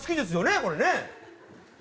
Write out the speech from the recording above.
これね。